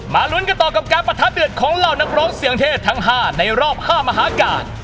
ลุ้นกันต่อกับการประทะเดือดของเหล่านักร้องเสียงเทศทั้ง๕ในรอบ๕มหาการ